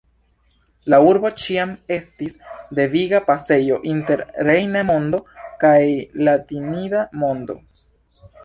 La urbo ĉiam estis deviga pasejo inter rejna mondo kaj latinida mondo.